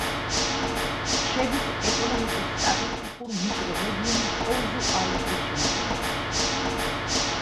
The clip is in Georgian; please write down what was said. შედის ეკონომიკურ-სტატისტიკურ მიკრორეგიონ პოზუ-ალეგრის შემადგენლობაში.